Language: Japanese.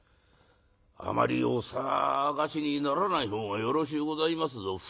「あまりお捜しにならない方がよろしゅうございますぞ。